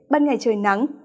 ban ngày trời nắng